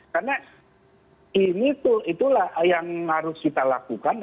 karena ini itulah yang harus kita lakukan